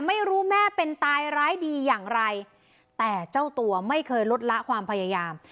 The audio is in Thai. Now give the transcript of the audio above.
แม่เป็นตายร้ายดีอย่างไรแต่เจ้าตัวไม่เคยลดละความพยายาม